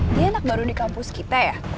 ini anak baru di kampus kita ya